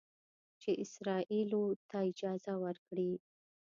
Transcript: چې اسرائیلو ته اجازه ورکړي